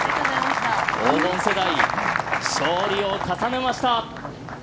黄金世代、勝利を重ねました。